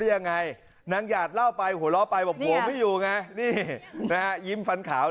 ยังไงนางหยาดเล่าไปหัวเราะไปบอกผัวไม่อยู่ไงนี่นะฮะยิ้มฟันขาว